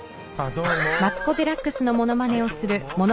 どうも。